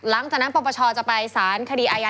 หลังจากนั้นปปชจะไปสารคดีอายา